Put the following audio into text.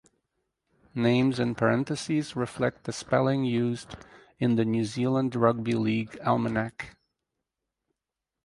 Names in parenthesis reflect the spelling used in the "New Zealand Rugby League Almanac".